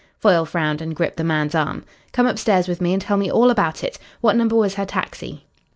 Foyle frowned and gripped the man's arm. "Come upstairs with me and tell me all about it. What number was her taxi?"